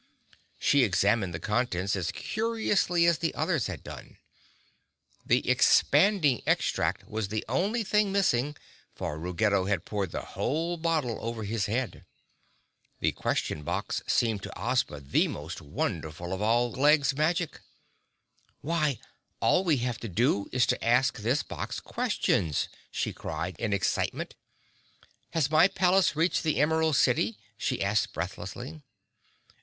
She examined the contents as curiously as the others had done. The Expanding Extract was the only thing missing, for Ruggedo had poured the whole bottle over his head. The Question Box seemed to Ozma the most wonderful of all of Glegg's magic. "Why, all we have to do is to ask this box questions," she cried in excitement. "Has my palace reached the Emerald City?" she asked breathlessly.